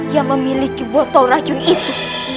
yang memiliki botol racun itu